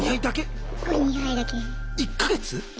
１か月。